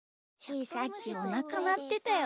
ひーさっきおなかなってたよ。